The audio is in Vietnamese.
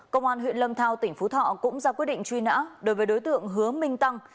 công an huyện lâm thao tỉnh phú thọ cũng ra quyết định truy nã đối với đối tượng hứa minh tăng